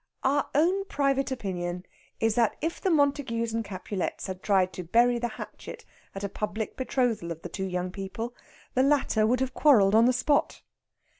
Our own private opinion is that if the Montagus and Capulets had tried to bury the hatchet at a public betrothal of the two young people, the latter would have quarrelled on the spot.